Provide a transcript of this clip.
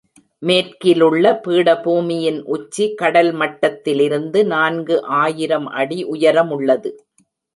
மேற்கிலுள்ள பீடபூமியின் உச்சி கடல் மட்டத்திலிருந்து நான்கு ஆயிரம் அடி உயரமுள்ளது.